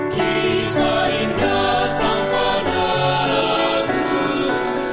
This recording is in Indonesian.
kisah indah sang panabus